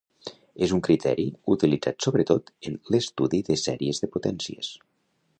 És un criteri utilitzat sobretot en l'estudi de sèries de potències.